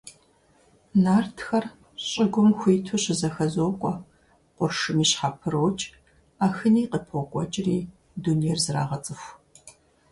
Нартхэр щӀыгум хуиту щызэхэзокӀуэ, къуршми щхьэпрокӀ, Ахыни къыпокӀуэкӀри дунейр зрагъэцӀыху.